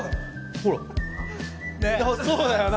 ほらそうだよな